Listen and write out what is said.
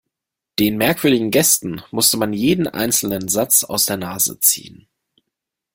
Den merkwürdigen Gästen musste man jeden einzelnen Satz aus der Nase ziehen.